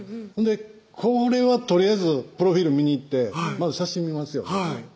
これはとりあえずプロフィール見にいってまず写真見ますよね